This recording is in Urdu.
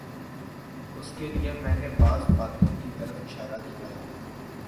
اس کے لیے میں نے بعض باتوں کی طرف اشارہ کیا ہے۔